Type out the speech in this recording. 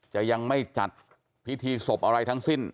จะยังไม่จัดพิธีศพอะไรทั้งสิ้น